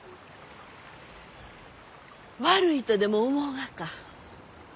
悪いとでも思うがか？